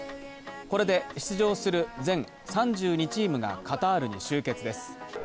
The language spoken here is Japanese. これで出場する全３２チームがカタールに集結です。